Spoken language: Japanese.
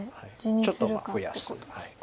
ちょっと増やす。